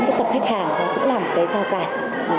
các khách hàng cũng là một cái giao cải